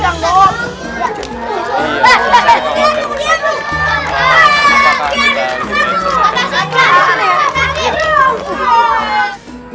pihak di lu pak lu